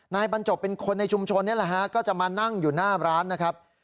บรรจบเป็นคนในชุมชนนี่แหละฮะก็จะมานั่งอยู่หน้าร้านนะครับ